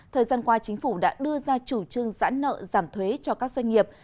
thời gian qua chính phủ đã đưa ra chủ trương giãn nợ giảm thuế cho các doanh nghiệp